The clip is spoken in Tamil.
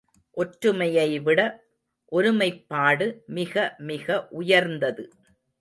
ஒற்றுமையைவிட ஒருமைப்பாடு மிக மிக உயர்ந்தது.